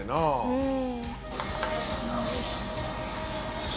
「うん」